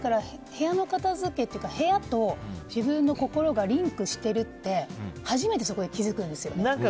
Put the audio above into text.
部屋の片付けというか部屋と自分の心がリンクしてるって初めてそこで気づくんですよ。